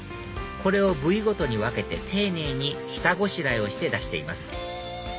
これを部位ごとに分けて丁寧に下ごしらえをして出しています